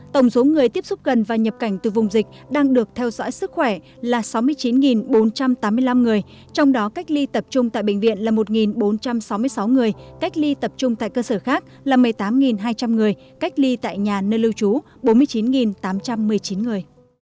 tổng số người tiếp xúc gần và nhập cảnh từ vùng dịch đang được theo dõi sức khỏe là sáu mươi chín bốn trăm tám mươi năm người trong đó cách ly tập trung tại bệnh viện là một bốn trăm sáu mươi sáu người cách ly tập trung tại cơ sở khác là một mươi tám hai trăm linh người cách ly tại nhà nơi lưu trú bốn mươi chín tám trăm một mươi chín người